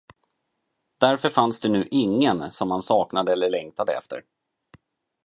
Därför fanns det nu ingen, som han saknade eller längtade efter.